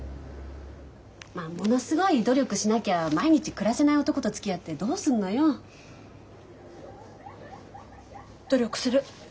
ものすごい努力しなきゃ毎日暮らせない男とつきあってどうすんのよ。努力する。